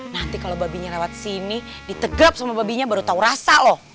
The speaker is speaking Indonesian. nanti kalau babinya lewat sini ditegap sama babinya baru tahu rasa loh